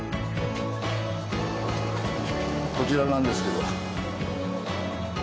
こちらなんですけど。